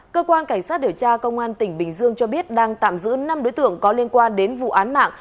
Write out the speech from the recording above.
cơ quan cảnh sát điều tra công an tỉnh bình dương cho biết đang tạm giữ năm đối tượng có liên quan đến vụ án mạng